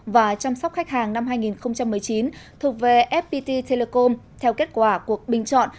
và chăm sóc khách hàng năm hai nghìn một mươi chín thuộc về fpt telecom theo kết quả cuộc bình chọn